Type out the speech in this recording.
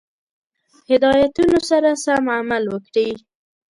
هدایتونو سره سم عمل وکړي.